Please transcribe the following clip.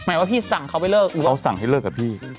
หมายว่าพี่สั่งเขาไปเลิกหรือเขาสั่งให้เลิกกับพี่